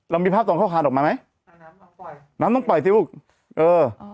เรามีภาพตรงเขาคานออกมาไหมน้ำต้องปล่อยน้ำต้องปล่อยสิฟุกเออ